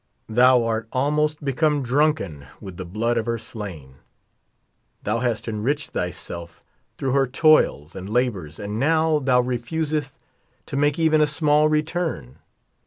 Thou art almost become drunken with the blood of her slain ; thou hast enriched thyself through her toils and labors ; and now thou refuseth to make even a small return.